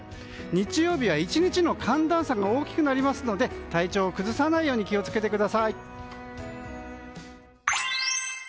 日曜日は１日の寒暖差が大きくなりますので体調を崩さないように気を付けてください。